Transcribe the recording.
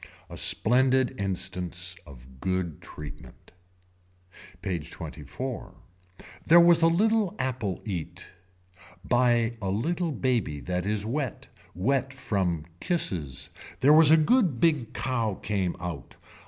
A splendid instance of good treatment. PAGE XXIV. There was a little apple eat. By a little baby that is wet. Wet from kisses. There was a good big cow came out.